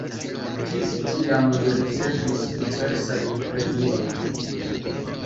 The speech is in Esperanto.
Ĝis tiam li ricevis diversajn premiojn.